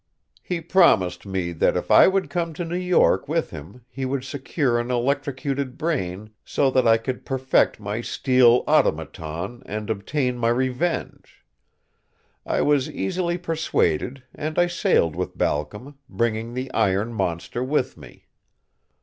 "He promised me that if I would come to New York with him he would secure an electrocuted brain so that I could perfect my steel automaton and obtain my revenge. I was easily persuaded and I sailed with Balcom, bringing the iron monster with me."